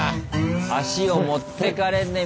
足を持ってかれんね。